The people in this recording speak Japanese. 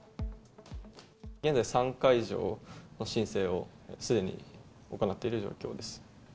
現在、３会場の申請をすでに行っている状況です。